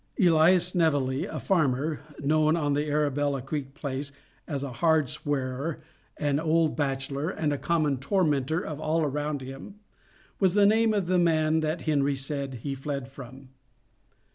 Elias Sneveley, a farmer, known on the Arabella Creek Place as a "hard swearer," an "old bachelor," and a common tormentor of all around him, was the name of the man that Harry said he fled from.